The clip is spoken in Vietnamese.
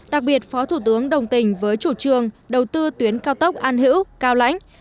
đặc biệt phó thủ tướng đồng tình với chủ trương đầu tư tuyến cao tốc an hữu cao lãnh